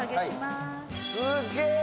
すげえ。